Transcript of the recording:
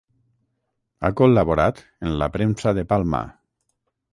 Ha col·laborat en la premsa de Palma.